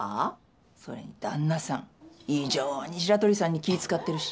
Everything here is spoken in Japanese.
それに旦那さん異常に白鳥さんに気遣ってるし。